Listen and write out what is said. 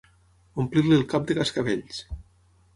Omplir-li el cap de cascavells.